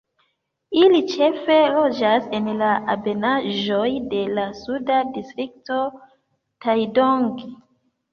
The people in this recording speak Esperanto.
Ili ĉefe loĝas en la ebenaĵoj de la suda distrikto Taidong.